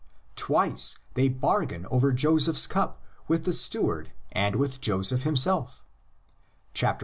twice they bargain over Joseph's cup with the steward and with Joseph himself (xliii.